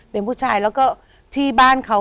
เป็นผู้ชายแล้วก็ที่บ้านเขา